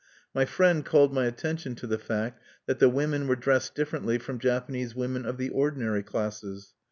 My friend called my attention to the fact that the women were dressed differently from Japanese women of the ordinary classes.